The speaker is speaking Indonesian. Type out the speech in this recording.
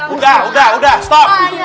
udah udah udah stop